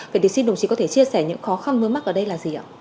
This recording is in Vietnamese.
vậy thì xin đồng chí có thể chia sẻ những khó khăn vướng mắt ở đây là gì ạ